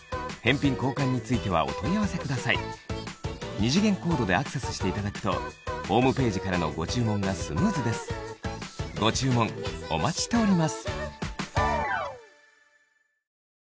二次元コードでアクセスしていただくとホームページからのご注文がスムーズですご注文お待ちしております